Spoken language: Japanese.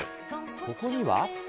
ここには。